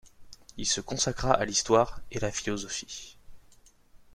Il se consacra à l'histoire et la philosophie.